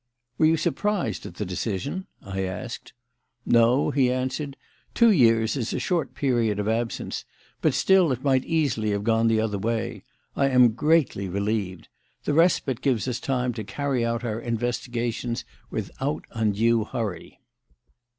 "Were you surprised at the decision?" I asked. "No," he answered. "Two years is a short period of absence; but still, it might easily have gone the other way. I am greatly relieved. The respite gives us time to carry out our investigations without undue hurry."